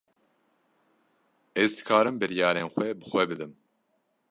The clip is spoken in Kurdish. Ez dikarim biryarên xwe bi xwe bidim.